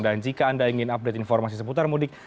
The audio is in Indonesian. jika anda ingin update informasi seputar mudik